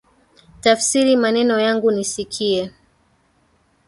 Tafsiri maneno yangu nisikie